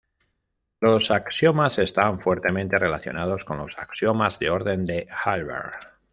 Los axiomas están fuertemente relacionados con los axiomas de orden de Hilbert.